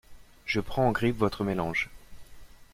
Je prends en grippe votre mélange.